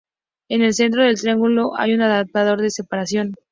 En el centro del triángulo hay un adaptador de separación.